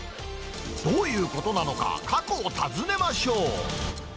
どういうことなのか、過去を訪ねましょう。